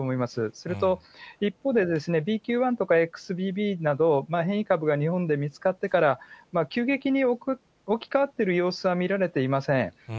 それと、一方で、ＢＱ．１とかＸＢＢなど、変異株が日本で見つかってから、急激に置き換わっている様子は見られていません。